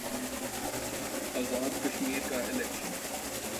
آزاد کشمیر کا الیکشن